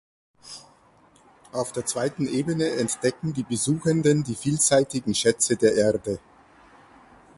Auf der zweiten Ebene entdecken die Besuchenden die vielseitigen Schätze der Erde.